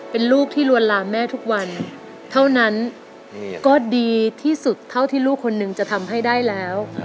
เป็นลูกที่ลวนลามแม่ทุกวันเท่านั้นก็ดีที่สุดเท่าที่ลูกคนนึงจะทำให้ได้แล้ว